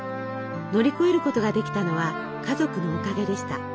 乗り越えることができたのは家族のおかげでした。